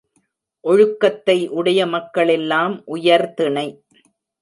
ஒழுக்கத்தை உடைய மக்களெல்லாம் உயர்திணை.